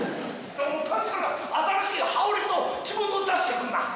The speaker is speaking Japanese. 「新しい羽織と着物を出してくんな！」